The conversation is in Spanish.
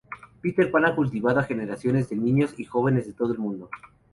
Peter Pan ha cautivado a generaciones de niños y jóvenes de todo el mundo.